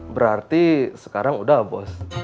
berarti sekarang udah bos